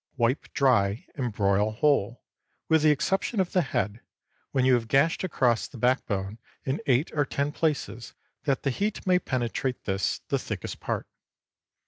Wipe dry and broil whole, with the exception of the head, when you have gashed across the back bone in eight or ten places that the heat may penetrate this, the thickest part.